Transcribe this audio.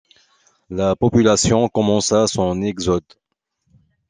La population commença son exode.